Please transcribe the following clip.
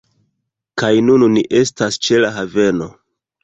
Kaj nun ni estas ĉe la haveno